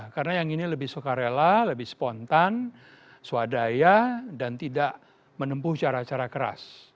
karena yang ini lebih sukarela lebih spontan swadaya dan tidak menempuh cara cara keras